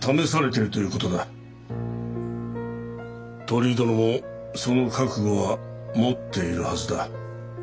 鳥居殿もその覚悟は持っているはずだ。